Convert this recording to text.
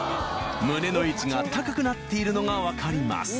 胸の位置が高くなっているのが分かります